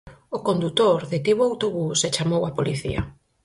O condutor detivo o autobús e chamou a policía.